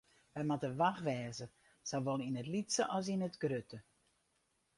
Wy moatte wach wêze, sawol yn it lytse as yn it grutte.